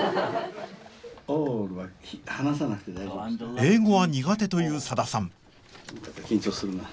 英語は苦手というさださん